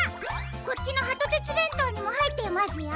こっちのハトてつべんとうにもはいっていますよ。